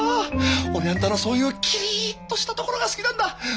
俺あんたのそういうキリッとしたところが好きなんだ。